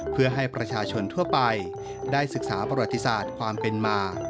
เพื่อให้ประชาชนทั่วไปได้ศึกษาประวัติศาสตร์ความเป็นมา